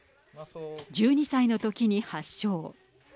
１２歳の時に発症。